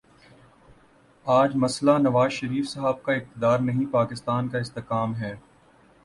آج مسئلہ نواز شریف صاحب کا اقتدار نہیں، پاکستان کا استحکام ہے۔